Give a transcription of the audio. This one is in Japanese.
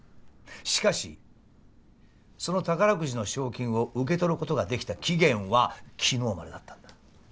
しかしその宝くじの賞金を受け取ることができた期限は昨日までだったんだ。